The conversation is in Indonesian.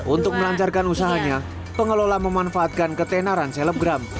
untuk melancarkan usahanya pengelola memanfaatkan ketenaran selebgram